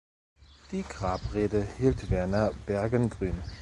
Die Grabrede hielt Werner Bergengruen.